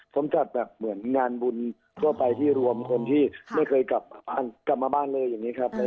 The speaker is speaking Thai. สมจัดแบบเหมือนงานบุญทั่วไปที่รวมคนที่ไม่เคยกลับมาบ้านเลยอย่างนี้ครับ